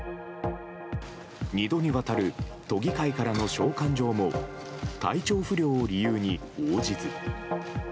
２度にわたる都議会からの召喚状も、体調不良を理由に応じず。